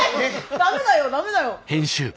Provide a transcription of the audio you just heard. ダメだよダメだよ。